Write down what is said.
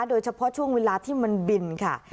โดยเฉพาะช่วงเวลาที่มันบินค่ะ